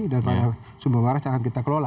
dan mana sumber waras yang akan kita kelola